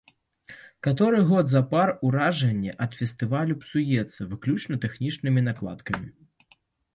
Каторы год запар уражанне ад фестывалю псуецца выключна тэхнічнымі накладкамі.